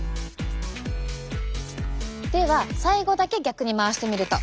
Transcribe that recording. では最後だけ逆に回してみると。